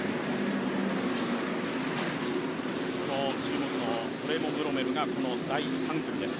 その注目のトレイボン・ブロメルがこの第３組です。